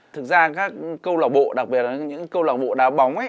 thực ra các câu lạc bộ đặc biệt là những câu lạc bộ đá bóng ấy